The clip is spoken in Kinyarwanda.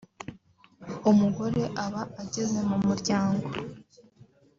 umugore aba ageze mu muryango